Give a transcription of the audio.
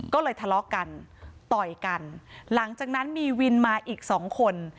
ก็เลยทะเลาะกันต่อยกันหลังจากนั้นมีวินมาอีกสองคน